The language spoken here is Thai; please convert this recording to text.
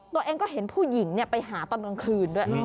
ตัวเองก็เห็นผู้หญิงไปหาตอนกลางคืนด้วย